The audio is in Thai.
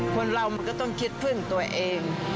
คนเรามันก็ต้องคิดพึ่งตัวเอง